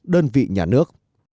đơn vị nhà nước